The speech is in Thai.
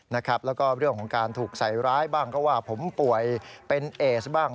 แล้วก็เรื่องของการถูกใส่ร้ายบ้างก็ว่าผมป่วยเป็นเอสบ้าง